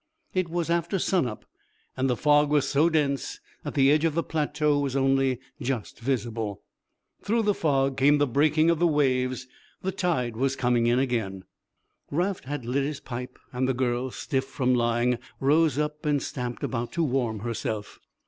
It was after sun up and the fog was so dense that the edge of the plateau was only just visible. Through the fog came the breaking of the waves; the tide was coming in again. Raft had lit his pipe and the girl, stiff from lying, rose up and stamped about to warm herself.